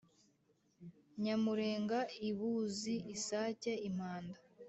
Nyamurenga i Buzi-Isake - Impanda.